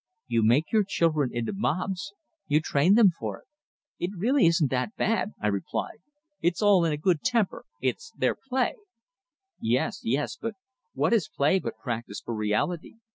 "You make your children into mobs! You train them for it!" "It really isn't that bad," I replied. "It's all in good temper it's their play." "Yes, yes! But what is play but practice for reality?